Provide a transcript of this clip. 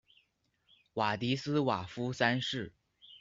瓦迪斯瓦夫三世。